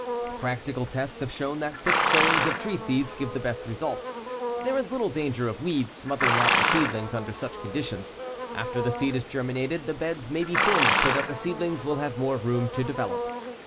Practical tests have shown that thick sowings of tree seeds give the best results. There is little danger of weeds smothering out the seedlings under such conditions. After the seed has germinated the beds may be thinned so that the seedlings will have more room to develop.